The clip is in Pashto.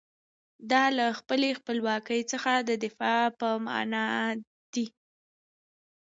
دا له خپلواکۍ څخه د دفاع په معنی دی.